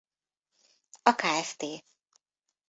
A kft.